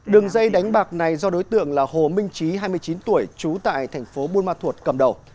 đường dây đánh bạc này do đối tượng là hồ minh trí hai mươi chín tuổi trú tại thành phố buôn ma thuột cầm đầu